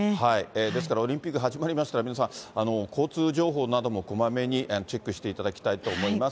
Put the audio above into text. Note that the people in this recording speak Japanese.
ですからオリンピック始まりましたら、皆さん、交通情報などもこまめにチェックしていただきたいと思います。